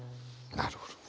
なるほどね。